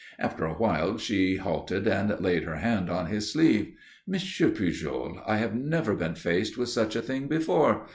After a while she halted and laid her hand on his sleeve. "Monsieur Pujol, I have never been faced with such a thing, before.